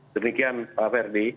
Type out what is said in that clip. demikian pak ferdi